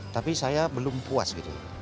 tapi saya belum puas gitu